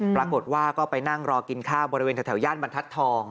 ปรากฏว่าก็ไปนั่งรอกินข้าวบริเวณแถวย่านบรรทัศน์ทอง